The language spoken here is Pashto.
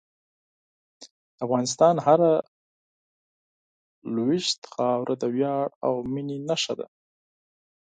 د افغانستان هره لویشت خاوره د ویاړ او مینې نښه ده.